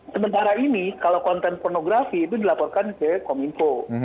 sementara ini kalau konten pornografi itu dilaporkan ke kominfo